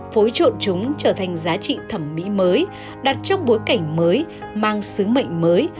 phối trộn chúng trở thành giá trị thẩm mỹ mới đặt trong bối cảnh mới mang sứ mệnh mới